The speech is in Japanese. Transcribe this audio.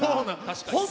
確かに。